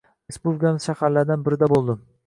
Respublikamiz shaharlaridan birida bo’ldim.